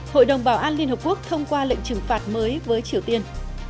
hội đồng bảo an liên hợp quốc thông qua lệnh trừng phạt mới với triều tiên